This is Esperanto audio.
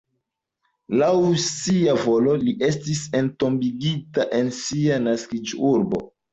Laŭ sia volo li estis entombigita en sia naskiĝurbo.